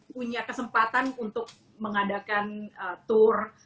punya kesempatan untuk mengadakan tour